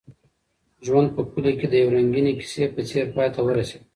ژوند په کلي کې د یوې رنګینې کیسې په څېر پای ته ورسېد.